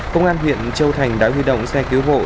công an huyện châu thành đã huy động xe cứu hộ